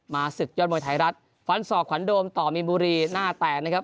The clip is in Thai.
ศึกยอดมวยไทยรัฐฟันศอกขวัญโดมต่อมีนบุรีหน้าแตกนะครับ